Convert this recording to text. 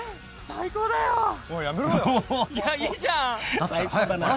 ［最高だな］